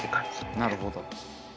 なるほど。